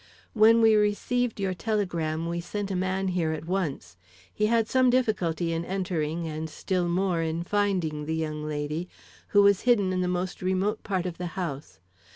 "When we received your telegram, we sent a man here at once. He had some difficulty in entering and still more in finding the young lady, who was hidden in the most remote part of the house.